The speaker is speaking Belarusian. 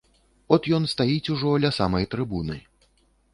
От ён стаіць ужо ля самай трыбуны.